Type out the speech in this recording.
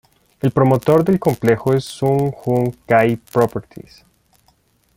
El promotor del complejo es Sun Hung Kai Properties.